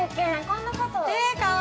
こんなこと◆